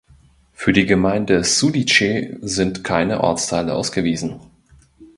Für die Gemeinde Sudice sind keine Ortsteile ausgewiesen.